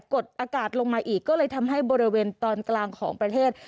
กดอากาศลงมาอีกก็เลยทำให้บริเวณตอนกลางของประเทศ